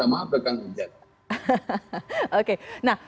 saya akan mengucapkan maaf